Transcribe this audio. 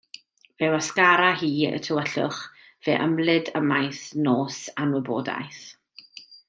Fe wasgara hi y tywyllwch, fe ymlid ymaith nos anwybodaeth.